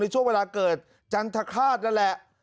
ช่วงเวลาเกิดจันทคาตนั่นแหละ